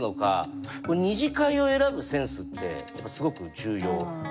二次会を選ぶセンスってすごく重要。